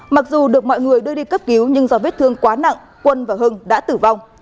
mặc dù được mọi người đưa đi cấp cứu nhưng do vết thương quá nặng quân và hưng đã tử vong